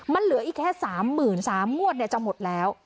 มันเหลืออีกแค่สามหมื่นสามมวดเนี่ยจะหมดแล้ว